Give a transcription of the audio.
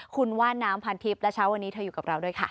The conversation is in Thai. คุณว่าน้ำพันทิพย์และเช้าวันนี้เธออยู่กับเราด้วยค่ะ